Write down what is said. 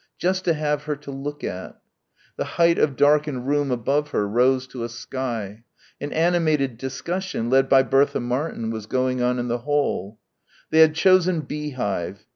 Just to have her to look at. The height of darkened room above her rose to a sky. An animated discussion, led by Bertha Martin, was going on in the hall. They had chosen "beehive."